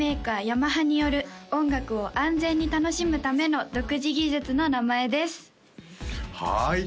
ヤマハによる音楽を安全に楽しむための独自技術の名前ですはい